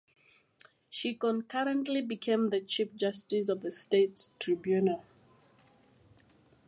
She concurrently became the Chief Justice of the State Tribunal.